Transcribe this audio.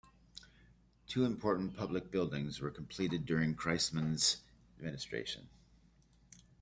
Two important public buildings were completed during Kreismann's administration.